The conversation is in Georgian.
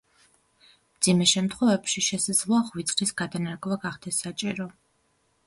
მძიმე შემთხვევებში შესაძლოა ღვიძლის გადანერგვა გახდეს საჭირო.